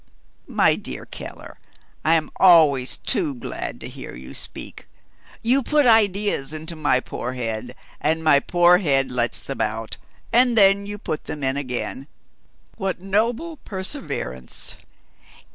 "My dear Keller, I am always too glad to hear you speak! You put ideas into my poor head, and my poor head lets them out, and then you put them in again. What noble perseverance!